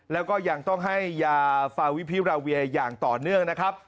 แล้วก็ยังต้องให้ยาฟาวิพิราเวียอย่างต่อเนื่องนะครับ